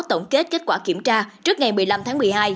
tổng kết kết quả kiểm tra trước ngày một mươi năm tháng một mươi hai